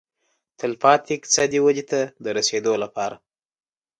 تلپاتې اقتصادي ودې ته د رسېدو لپاره.